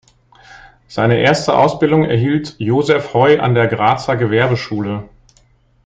Seine erste Ausbildung erhielt Josef Heu an der Grazer Gewerbeschule.